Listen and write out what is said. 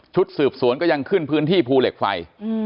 สืบสวนก็ยังขึ้นพื้นที่ภูเหล็กไฟ